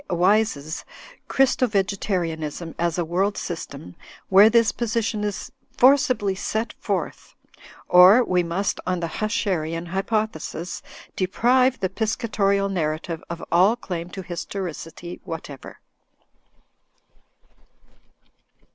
Wyse's "Christo Vegetarianism as a World System,*' where this position is forcibly set forth), or we must, on the Huscherian hypothesis, deprive the Piscatorial narrative of all claim to his toricity whatever.